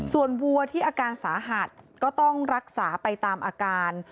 ส่วนวัวที่อาการสาหัสก็ต้องรักษาไปตามอาการ